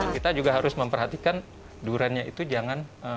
kita juga harus memperhatikan duriannya itu jangan terlalu berlebihan